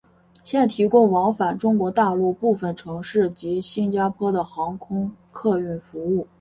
现提供往返中国大陆部分城市及新加坡的航空客运服务。